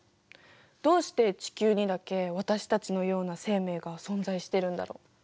どうして地球にだけ私たちのような生命が存在してるんだろう。